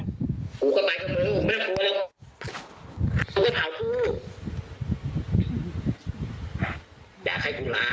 กูเข้าได้มึงเห็นบ้าน